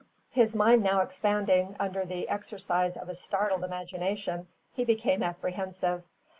His mind now expanding under the exercise of a startled imagination, he became apprehensive.